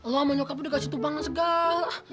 lo sama nyokap udah kasih tubangan segala